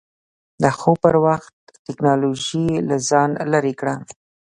د خوب پر وخت ټېکنالوژي له ځان لرې کړه.